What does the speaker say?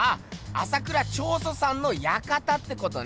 朝倉彫塑さんの館ってことね！